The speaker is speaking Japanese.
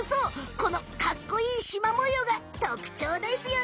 このかっこいいシマ模様がとくちょうですよね！